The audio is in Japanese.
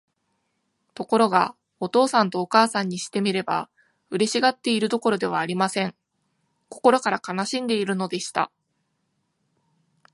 ところが、お父さんとお母さんにしてみれば、嬉しがっているどころではありません。心から悲しんでいるのでした。